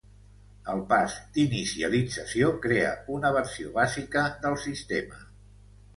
El pas d'inicialització crea una versió bàsica del sistema.